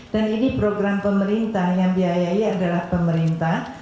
dan ini program pemerintah yang biayanya adalah pemerintah